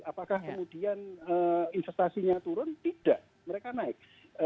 apakah kemudian investasinya turun tidak mereka naik